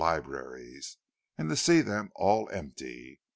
libraries—and see them all empty!